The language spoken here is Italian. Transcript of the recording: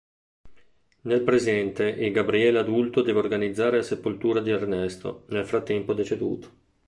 Nel presente il Gabriele adulto deve organizzare la sepoltura di Ernesto, nel frattempo deceduto.